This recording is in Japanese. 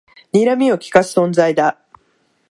にらみをきかす存在だ